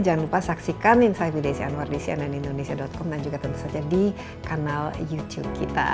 jangan lupa saksikan insight with desi anwar di cnnindonesia com dan juga tentu saja di kanal youtube kita